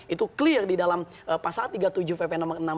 itu clear di dalam pasal tiga puluh tujuh pp nomor enam puluh